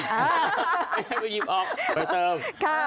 ให้ไปหยิบออกไปเติม